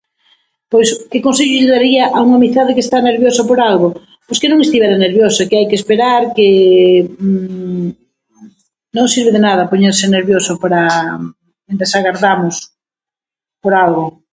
Pois que consello lle daría a unha amizade que está nerviosa por algo? Pois que non estivera nerviosa, que hai que esperar, que non sirve de nada poñerse nerviosa para, mentras agardamos por algo.